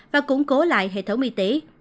và củng cố lại hệ thống mi tỉ